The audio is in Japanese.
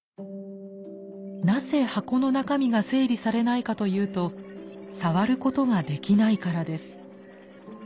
なぜ箱の中身が整理されないかというと触ることができないからです。